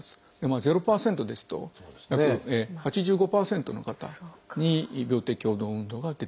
０％ですと約８５％の方に病的共同運動が出てきてしまいます。